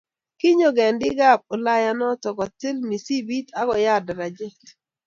kinyo kindekab ulayainotokotil mosipit ak koyaat darajet